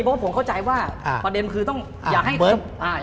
เพราะผมเข้าใจว่าประเด็นคืออย่าให้เข้าเหนือ